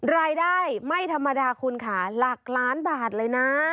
รายได้ไม่ธรรมดาคุณค่ะหลักล้านบาทเลยนะ